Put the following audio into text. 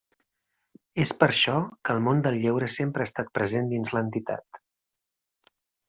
És per això que el món del lleure sempre ha estat present dins l'entitat.